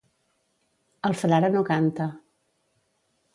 El frare no canta.